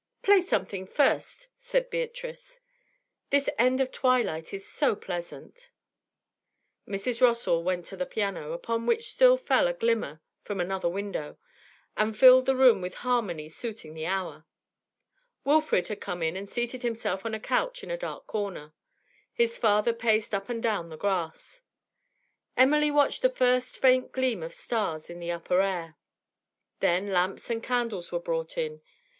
'Play us something first,' said Beatrice. 'This end of twilight is so pleasant.' Mrs. Rossall went to the piano, upon which still fell a glimmer from another window, and filled the room with harmony suiting the hour. Wilfrid had come in and seated himself on a couch in a dark corner; his father paced up and down the grass. Emily watched the first faint gleam of stars in the upper air. Then lamps and candles were brought in.